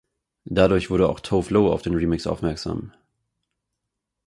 Dadurch wurde auch Tove Lo auf den Remix aufmerksam.